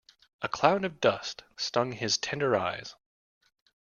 A cloud of dust stung his tender eyes.